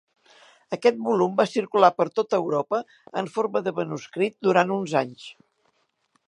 Aquest volum va circular per tota Europa en forma de manuscrit durant uns anys.